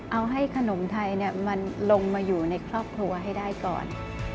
เอาให้ขนมไทยมันลงมาอยู่ในครอบครัวให้ได้ก่อน